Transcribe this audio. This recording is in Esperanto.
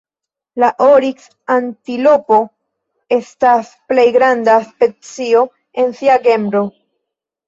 La oriks-antilopo estas plej granda specio en sia genro.